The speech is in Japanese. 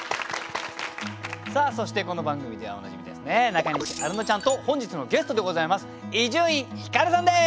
そしてこの番組ではおなじみですね中西アルノちゃんと本日のゲストでございます伊集院光さんです。